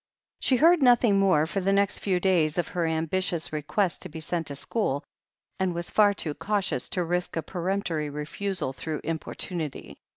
She heard nothing more for the next few days of her ambitious request to be sent to school, and was far too cautious to risk a peremptory refusal through importunity.